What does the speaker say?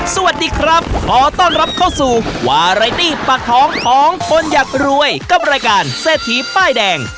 สวัสดีครับขอต้อนรับเข้าสู่วาไรตี้ปากท้องของคนอยากรวยกับรายการเศรษฐีป้ายแดง